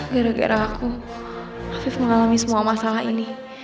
gara gara aku hafif mengalami semua masalah ini